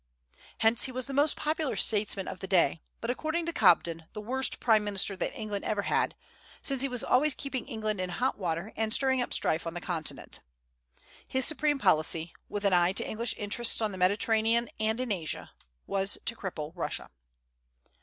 Hence he was the most popular statesman of the day, but according to Cobden the worst prime minister that England ever had, since he was always keeping England in hot water and stirring up strife on the Continent. His supreme policy, with an eye to English interests on the Mediterranean and in Asia, was to cripple Russia.